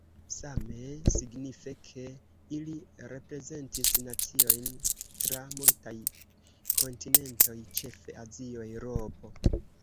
Same signife, ke ili reprezentis naciojn tra multaj kontinentoj, ĉefe Azio, Eŭropo.